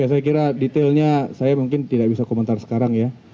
ya saya kira detailnya saya mungkin tidak bisa komentar sekarang ya